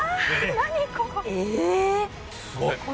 何ここ。